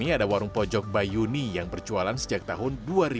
ini ada warung pojok bayuni yang berjualan sejak tahun dua ribu